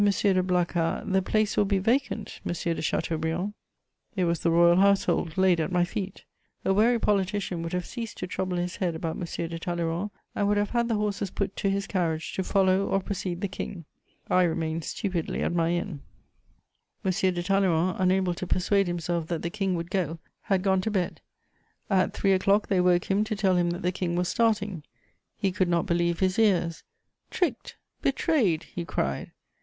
de Blacas; the place will be vacant, Monsieur de Chateaubriand." [Sidenote: The great man snubbed.] It was the Royal Household laid at my feet A wary politician would have ceased to trouble his head about M. de Talleyrand and would have had the horses put to his carriage to follow or precede the King: I remained stupidly at my inn. M. de Talleyrand, unable to persuade himself that the King would go, had gone to bed: at three o'clock they woke him to tell him that the King was starting; he could not believe his ears: "Tricked! Betrayed!" he cried.